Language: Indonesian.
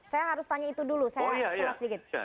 saya harus tanya itu dulu saya seles dikit